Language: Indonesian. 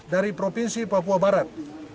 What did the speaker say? dari provinsi papua barat